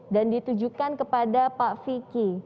dan ditujukan kepada pak vicky